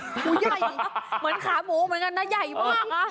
เหมือนขาหมูเหมือนกันนะใหญ่มากอ่ะ